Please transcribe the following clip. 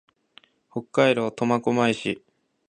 北海道苫小牧市